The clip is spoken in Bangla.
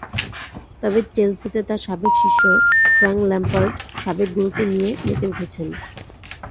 তবে চেলসিতে তাঁর সাবেক শিষ্য ফ্রাঙ্ক ল্যাম্পার্ড সাবেক গুরুকে নিয়ে মেতে উঠেছেন।